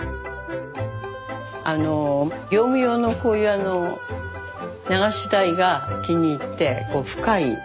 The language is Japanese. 業務用のこういう流し台が気に入ってこう深い。